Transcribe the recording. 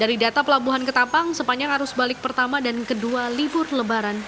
dari data pelabuhan ketapang sepanjang arus balik pertama dan kedua libur lebaran